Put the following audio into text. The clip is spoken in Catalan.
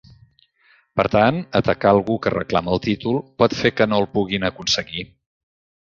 Per tant, atacar algú que reclama el títol pot fer que no el puguin aconseguir.